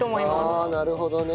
ああなるほどね。